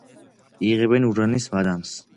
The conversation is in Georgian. იღებენ ურანის მადანს.